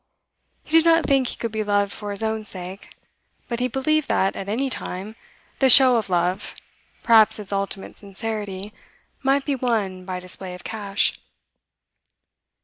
He did not think he could be loved for his own sake, but he believed that, at any time, the show of love, perhaps its ultimate sincerity, might be won by display of cash.